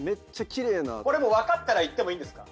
これもう分かったら言ってもいいんですか？